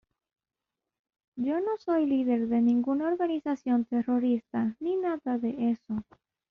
Yo no soy líder de ninguna organización terrorista ni nada de eso.